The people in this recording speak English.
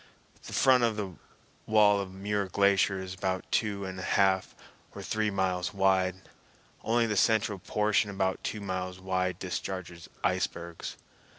The front wall of the Muir Glacier is about two and a half or three miles wide. Only the central portion about two miles wide discharges icebergs.